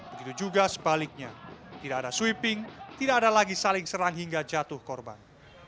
begitu juga sebaliknya tidak ada sweeping tidak ada lagi saling serang hingga jatuh korban